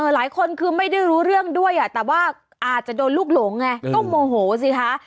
หลายคนคือไม่ได้รู้เรื่องด้วยแต่ว่าอาจจะโดนลูกหลงไงก็โมโหสิคะ